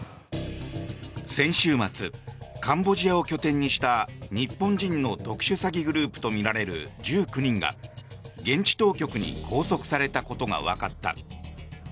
先週末カンボジアを拠点にした日本人の特殊詐欺グループとみられる現地当局に拘束されたことがわかった。